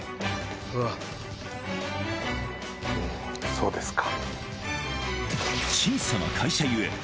そうですか。